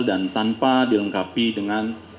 dan tanpa dilengkapi dengan